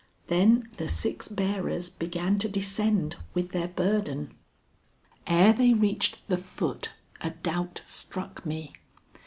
Then the six bearers began to descend with their burden. Ere they reached the foot, a doubt struck me.